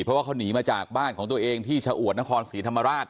เพราะว่าเขาหนีมาจากบ้านของตัวเองที่ชะอวดนครศรีธรรมราช